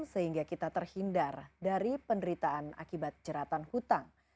sehingga kita terhindar dari penderitaan akibat jeratan hutang